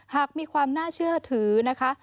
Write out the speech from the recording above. หากมีความน่าเชื่อถือนะคะ